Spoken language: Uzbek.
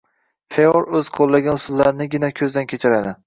Feor o‘zi qo‘llagan usullarnigina ko‘zdan kechiradi.